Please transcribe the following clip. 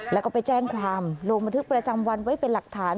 แล้วก็ไปแจ้งความลงบันทึกประจำวันไว้เป็นหลักฐาน